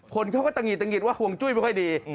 คนเขาก็ตะหิดตะหิดว่าห่วงจุ้ยไม่ค่อยดี